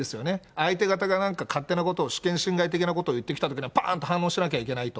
相手方がなんか勝手なことを、主権侵害的なことを言ってきたときに、ぱんと反応しなきゃいけないと。